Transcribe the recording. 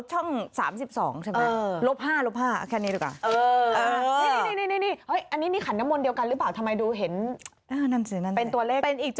ช่องเรารับท่อง๓๒ใช่ไหม